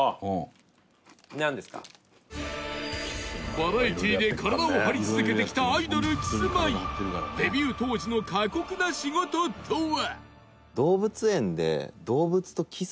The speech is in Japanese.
バラエティーで体を張り続けてきたアイドルキスマイデビュー当時の過酷な仕事とは？